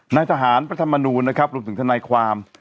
นายทหารพระธรรมนูลนะครับรวมถึงทนายความ